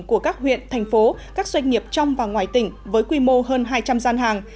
của các huyện thành phố các doanh nghiệp trong và ngoài tỉnh với quy mô hơn hai trăm linh gian hàng